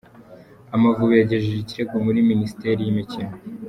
Amavubi yagejeje ikirego muri minisiteri y’imikino